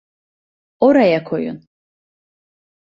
Oraya koyun.